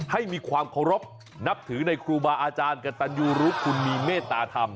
ให้มีความเคารพนับถือในครูบาอาจารย์กระตันยูรุคุณมีเมตตาธรรม